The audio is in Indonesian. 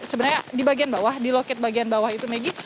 sebenarnya di bagian bawah di loket bagian bawah itu megi